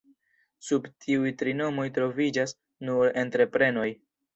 Sub tiuj tri nomoj troviĝas nur entreprenoj.